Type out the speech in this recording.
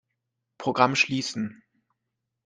Programm schließen.